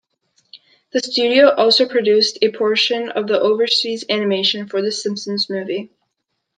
The studio also produced a portion of the overseas animation for "The Simpsons Movie".